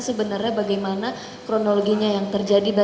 sebenarnya bagaimana kronologinya yang terjadi